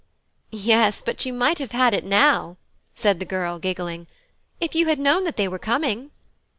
"Yes, but you might have had it now," said the girl, giggling, "if you had known that they were coming."